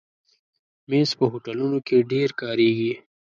مېز په هوټلونو کې ډېر کارېږي.